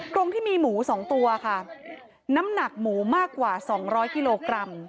ตรงที่มีหมู๒ตัวค่ะน้ำหนักหมูมากกว่า๒๐๐กิโลกรัม